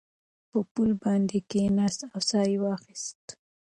په پوله باندې کېناست او ساه یې واخیسته.